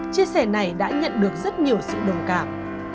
chia sẻ này đã nhận được rất nhiều sự đồng cảm